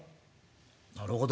なるほど。